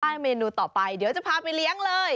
เมนูต่อไปเดี๋ยวจะพาไปเลี้ยงเลย